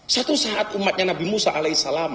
satu saat umatnya nabi musa alai salam